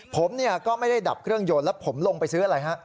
ผมก็ไม่ได้ดับเครื่องยนต์แล้วผมลงไปซื้ออะไรฮะ